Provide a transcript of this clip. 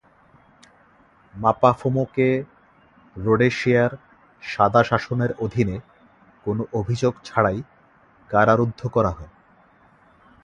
মাপাফুমোকে রোডেশিয়ার সাদা শাসনের অধীনে কোন অভিযোগ ছাড়াই কারারুদ্ধ করা হয়।